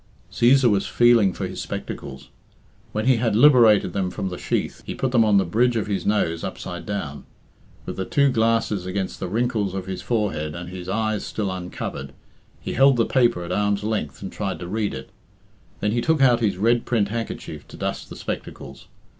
Cæsar was feeling for his spectacles. When he had liberated them from the sheath, he put them on the bridge of his nose upside down. With the two glasses against the wrinkles of his forehead and his eyes still uncovered, he held the paper at arm's length and tried to read it. Then he took out his red print handkerchief to dust the spectacles.